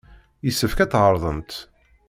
Yessefk ad tɛerḍemt!